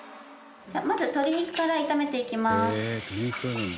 まず鶏肉から炒めていきます。